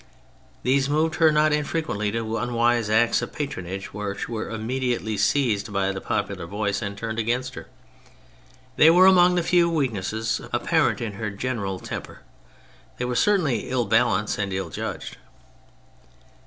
These moved her not infrequently to unwise acts of patronage which were im mediately seized by the popular voice and turned against her. They were among the few weaknesses apparent in her general tem per. They were certainly ill balanced and ill judged.